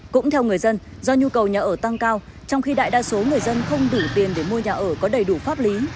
cũng theo người dân do nhu cầu nhà ở tăng cao trong khi đại đa số người dân không đủ tiền để mua nhà ở có đầy đủ pháp lý